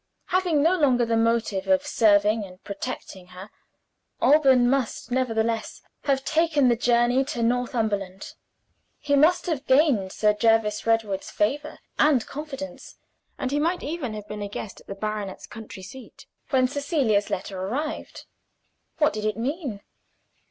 Having no longer the motive of serving and protecting her, Alban must, nevertheless, have taken the journey to Northumberland. He must have gained Sir Jervis Redwood's favor and confidence and he might even have been a guest at the baronet's country seat when Cecilia's letter arrived. What did it mean?